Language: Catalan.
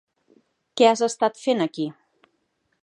Què has estat fent aquí?